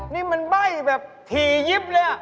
นี่มันใบ้แบบถี่ยิบเลย